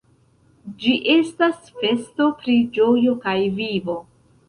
Ĝi estas festo pri ĝojo kaj vivo.